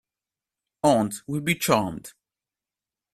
Aunt will be charmed.